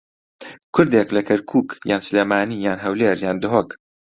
کوردێک لە کەرکووک یان سلێمانی یان هەولێر یان دهۆک